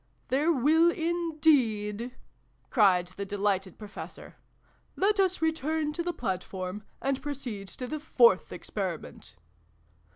"There will indeed/" cried the delighted Professor. " Let us return to the platform, and proceed to the Fourth Experiment